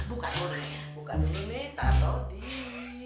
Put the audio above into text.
buka dulu ini buka dulu ini taro di sini